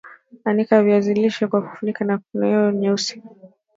Anika viazi lishe kwa kufunika na naironi nyeusi